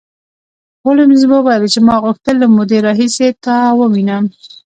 هولمز وویل چې ما غوښتل له مودې راهیسې تا ووینم